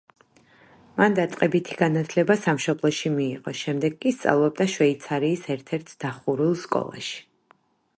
მან დაწყებითი განათლება სამშობლოში მიიღო, შემდეგ კი სწავლობდა შვეიცარიის ერთ-ერთ დახურულ სკოლაში.